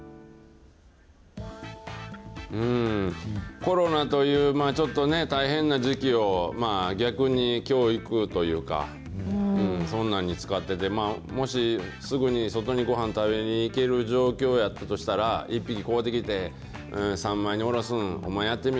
コロナという大変な時期を逆に教育というか、そんなんに使ってて、もし、すぐに外にごはん食べに行ける状況やったとしたら、一匹買うてきて、三枚におろすん、お前やってみい